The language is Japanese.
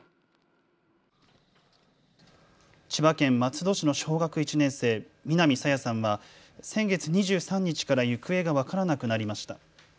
千葉県松戸市の小学１年生、南朝芽さんは先月２３日から行方が分からなくなりました。